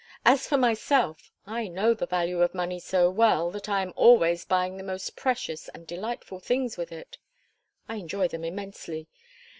As for myself, I know the value of money so well that I am always buying the most precious and delightful things with it. I enjoy them immensely.